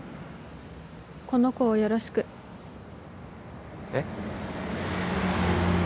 この子をよろしくえっ？